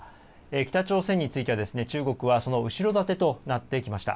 北朝鮮について中国はその後ろ盾となってきました。